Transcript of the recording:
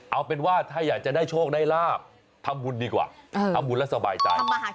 เอาเป็นว่าถ้าอยากจะได้โชคได้ลาบทำบุญดีกว่าทำบุญแล้วสบายใจ